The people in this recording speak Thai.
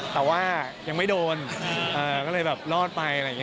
แต่ว่ายังไม่โดนก็เลยแบบรอดไป